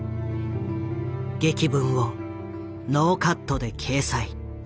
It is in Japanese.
檄文をノーカットで掲載。